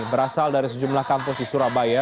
berasal dari sejumlah kampus di surabaya